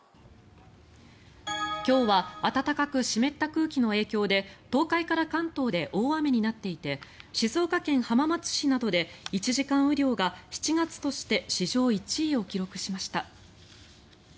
今日は暖かく湿った空気の影響で東海から関東で大雨になっていて静岡県浜松市などで１時間雨量が７月として史上１位を記録しました。